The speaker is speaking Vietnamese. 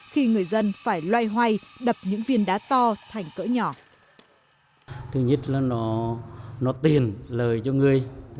khi người dân phải loay hoay đập những viên đá to thành cỡ nhỏ